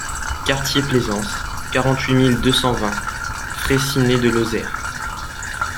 Quartier Plaisance, quarante-huit mille deux cent vingt Fraissinet-de-Lozère